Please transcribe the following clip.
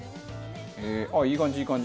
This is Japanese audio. いい感じいい感じ。